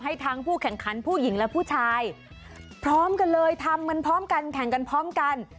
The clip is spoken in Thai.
ทั้งผู้แข่งขันผู้หญิงและผู้ชายพร้อมกันเลยทำกันพร้อมกันแข่งกันพร้อมกัน